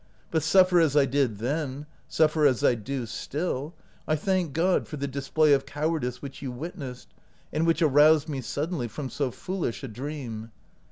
But suffer as I did then, suffer as I do still, I thank God for the display of cowardice which you witnessed, and which aroused me suddenly from so foolish a dream.